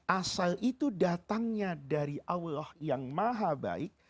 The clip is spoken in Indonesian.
asal itu datangnya dari allah yang maha baik